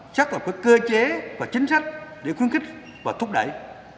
xác lập các cơ chế và chính sách để khuyến khích và thúc đẩy